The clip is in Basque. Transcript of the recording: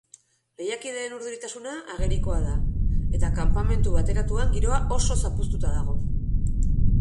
Lehiakideek urduritasuna ageriko da eta kanpamentu bateratuan giroa oso zapuztuta dago.